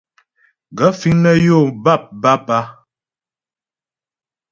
Gaə̂ fíŋ nə́ yó bâpbǎp a ?